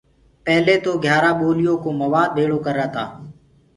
پيلي تو گھيٚيآرآ ٻوليو ڪو موآد ڀيݪو ڪرتآ۔